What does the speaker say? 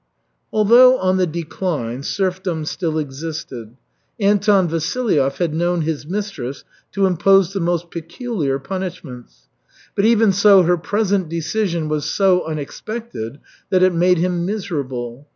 Although on the decline, serfdom still existed. Anton Vasilyev had known his mistress to impose the most peculiar punishments, but, even so, her present decision was so unexpected that it made him miserable.